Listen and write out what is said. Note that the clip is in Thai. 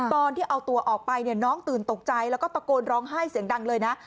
ตอนที่เอาตัวออกไปเนี่ยน้องตื่นตกใจแล้วก็ตะโกนร้องไห้เสียงดังเลยนะ